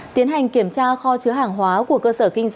tiến hành kiểm tra kho chứa hàng hóa của cơ sở kinh doanh